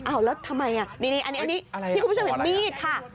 แล้วทำไมนี่อันนี้ที่คุณผู้ชมเห็นมีดค่ะ